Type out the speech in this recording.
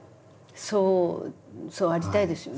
そうそうありたいですよね。